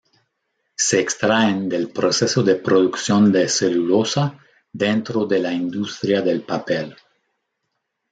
Se extraen del proceso de producción de celulosa dentro de la industria del papel.